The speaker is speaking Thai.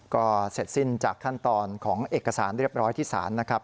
ก็เสร็จสิ้นจากขั้นตอนของเอกสารเรียบร้อยที่ศาลนะครับ